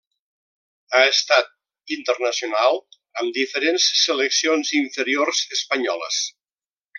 Ha estat internacional amb diferents seleccions inferiors espanyoles.